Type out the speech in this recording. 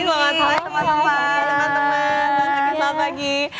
selamat pagi teman teman